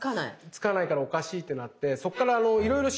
つかないからおかしいってなってそっからいろいろ調べるんですよ。